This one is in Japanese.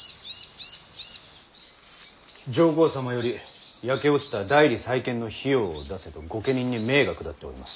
上皇様より焼け落ちた内裏再建の費用を出せと御家人に命が下っております。